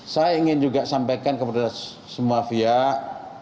saya ingin juga sampaikan kepada semua pihak